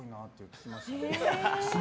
聞きましたね。